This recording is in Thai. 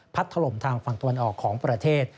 ถล่มทางฝั่งตะวันออกของประเทศ